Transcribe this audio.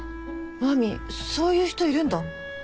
麻美そういう人いるんだ。